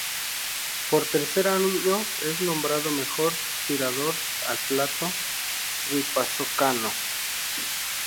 Por tercer año es nombrado mejor tirador al plato guipuzcoano.